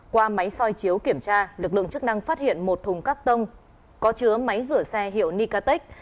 qua máy soi chiếu kiểm tra lực lượng chức năng phát hiện một thùng cắt tông có chứa máy rửa xe hiệu nicatech